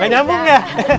gak nyambung ya